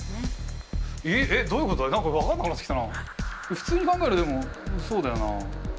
普通に考えるとでもそうだよな。